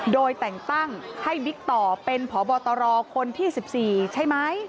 โดยแต่งตั้งให้บิ๊กต่อเป็นพบตรคนที่๑๔ใช่ไหม